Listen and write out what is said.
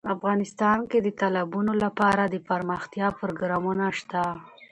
افغانستان کې د تالابونو لپاره دپرمختیا پروګرامونه شته.